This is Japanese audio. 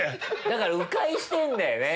だから迂回してるんだよね。